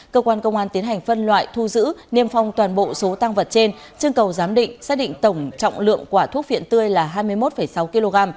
cơ quan công an tiến hành phân loại thu giữ niêm phong toàn bộ số tăng vật trên chương cầu giám định xác định tổng trọng lượng quả thuốc phiện tươi là hai mươi một sáu kg